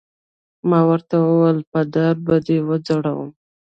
ما ورته وویل: په دار به دې وځړوي.